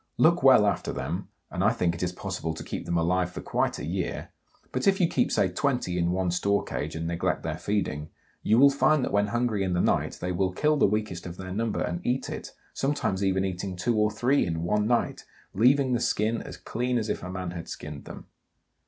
Look well after them, and I think it is possible to keep them alive for quite a year; but if you keep, say, 20 in one store cage and neglect their feeding,, you will find that when hungry in the night they will kill the weakest of their number and eat it, sometimes even eating two or three in one night, leaving the skin as clean as if a man had skinned them.